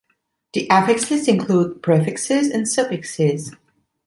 The affixes include prefixes and suffixes.